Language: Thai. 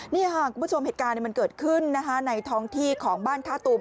นี่ค่ะคุณผู้ชมเหตุการณ์มันเกิดขึ้นในท้องที่ของบ้านท่าตูม